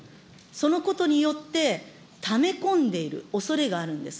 そのことによってため込んでいるおそれがあるんです。